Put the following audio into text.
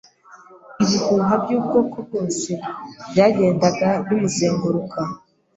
Ibihuha by'ubwoko bwose byagendaga bimuzenguruka.